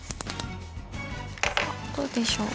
さあどうでしょう。